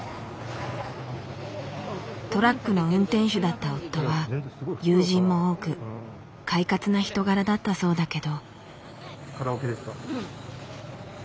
トラックの運転手だった夫は友人も多く快活な人柄だったそうだけど。